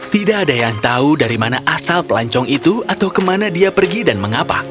tidak ada yang tahu dari mana asal pelancong itu atau kemana dia pergi dan mengapa